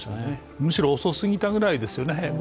むしろ遅過ぎたぐらいですよね。